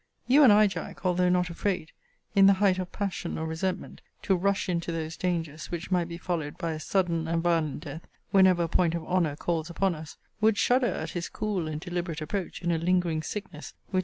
* You and I Jack, although not afraid, in the height of passion or resentment, to rush into those dangers which might be followed by a sudden and violent death, whenever a point of honour calls upon us, would shudder at his cool and deliberate approach in a lingering sickness, which had debilitated the spirits.